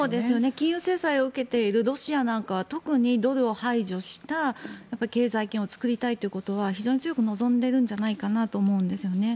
金融制裁を受けているロシアなんかは特にドルを排除した経済圏を作りたいということは非常に強く望んでいるんじゃないかなと思うんですよね。